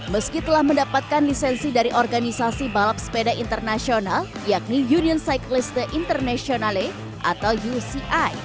meski telah mendapatkan lisensi dari organisasi balap sepeda internasional yakni union cyclist the internationally atau uci